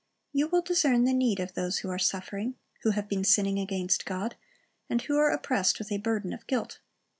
You will discern the need of those who are suffering, who have been sinning against God, and who are oppressed with a burden of guilt.